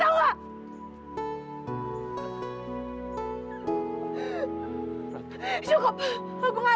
kamu itu udah ngambil sesuatu yang paling berharga dari diri aku